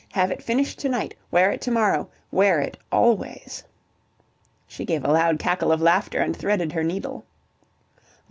Have it finished to night. Wear it to morrow. Wear it always." She gave a loud cackle of laughter and threaded her needle.